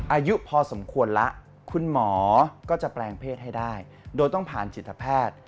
อายุพอสมควรแล้วคุณหมอก็จะแปลงเพศให้ได้โดยต้องผ่านจิตแพทย์